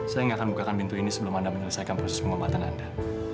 saya nggak akan bukakan pintu ini sebelum anda menyelesaikan proses pengobatan anda